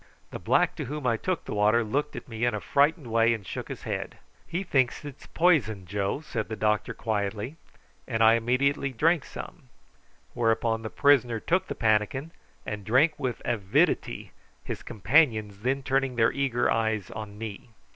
The black to whom I took the water looked at me in a frightened way, and shook his head. "He thinks it is poisoned, Joe," said the doctor quietly; and I immediately drank some, when the prisoner took the pannikin and drank with avidity, his companions then turning their eager eyes on me.